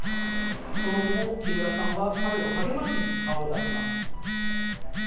その後も、木村さんは彼を励ましに顔を出します。